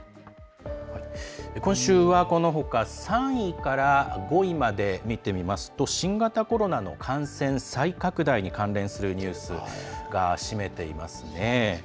今週はこのほか３位から５位まで見てみますと新型コロナの感染再拡大に関連するニュースが占めていますね。